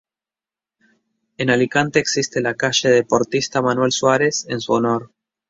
En Alicante existe la "calle Deportista Manuel Suárez" en su honor.